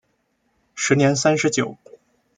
时年三十九。